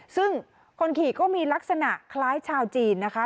ซึ่งคนขี่ก็มีลักษณะคล้ายชาวจีนนะคะ